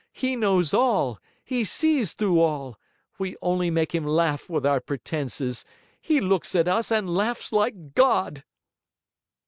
He knows all, he sees through all; we only make him laugh with our pretences he looks at us and laughs like God!'